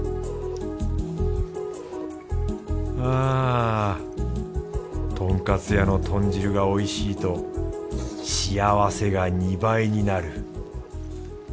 あとんかつ屋の豚汁がおいしいと幸せが２倍になる